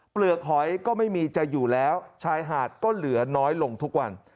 เปลือกหอยก็ไม่มีจะอยู่แล้วชายหาดก็เหลือน้อยลงทุกวัน